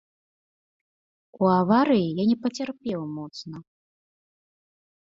У аварыі я не пацярпеў моцна.